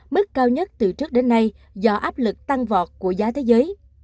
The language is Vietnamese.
mức cao nhất từ trước đến nay do áp lực tăng vọt của giá thế giới